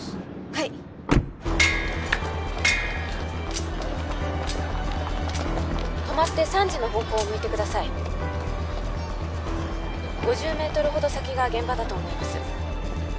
はい止まって３時の方向を向いてください５０メートルほど先が現場だと思います